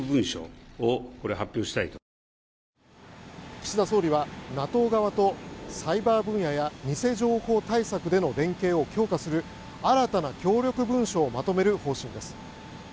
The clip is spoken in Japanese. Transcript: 岸田総理はＮＡＴＯ側とサイバー分野や偽情報対策での連携を強化する新たな協力文書をまとめる方針です。